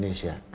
terima kasih pak